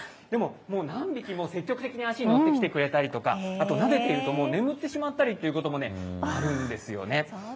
でももう何匹も積極的に足に乗ってきてくれたりとか、あとなでていると眠ってしまったりということもあるんですよね。